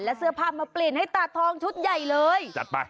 และเสื้อผ้ามาเปลี่ยนให้ตาทองชุดใหญ่เลยจัดไป